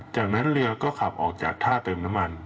จากนั้นเรือก็ขับออกจากท่าเติมน้ำมัน